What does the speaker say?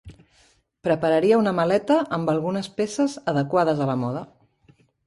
Prepararia una maleta amb algunes peces adequades a la moda.